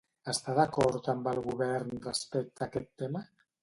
Està d'acord amb el govern respecte a aquest tema?